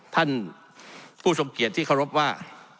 ท่านผู้ทรงเกียจที่เคารพว่า